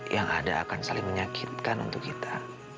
yang ada akan saling menyakitkan untuk kita